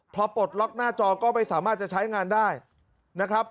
พอปลดล็อกหน้าจอก็ไม่สามารถจะใช้งานได้นะครับ